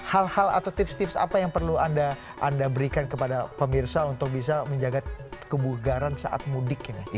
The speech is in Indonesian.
hal hal atau tips tips apa yang perlu anda berikan kepada pemirsa untuk bisa menjaga kebugaran saat mudik ini